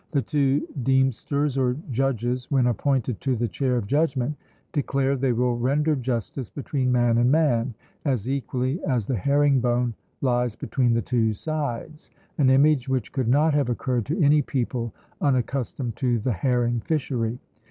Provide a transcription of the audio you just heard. The two Deemsters or judges, when appointed to the chair of judgment, declare they will render justice between man and man "as equally as the herring bone lies between the two sides:" an image which could not have occurred to any people unaccustomed to the herring fishery.